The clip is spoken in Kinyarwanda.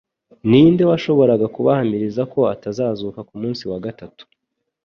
Ninde washoboraga kubahamiriza ko atazazuka ku munsi wa gatatu,